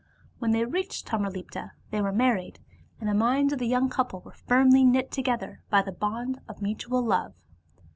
When they reached Tamralipta they were married, and the minds of the young couple were firmly knit together by the bond of mutual love.